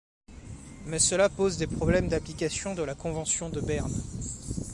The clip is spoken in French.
Mais cela pose des problèmes d’application de la Convention de Berne.